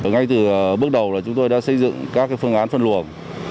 ngay từ bước đầu chúng tôi đã xây dựng các phương án phân luồng